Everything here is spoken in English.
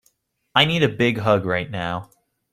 I need a big hug right now.